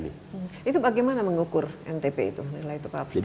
itu bagaimana mengukur ntp itu nilai tukar petani itu